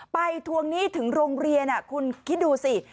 ทวงหนี้ถึงโรงเรียนคุณคิดดูสิ